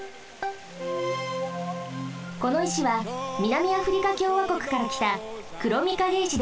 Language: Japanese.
この石は南アフリカ共和国からきた黒御影石です。